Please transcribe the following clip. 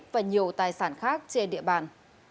và nhiều tài sản khác trên địa bàn